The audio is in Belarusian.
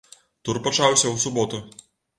Тур пачаўся ў суботу.